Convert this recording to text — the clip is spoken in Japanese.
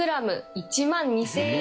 １万２０００円？